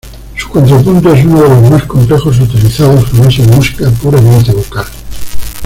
Su contrapunto es uno de los más complejos utilizados jamás en música puramente vocal.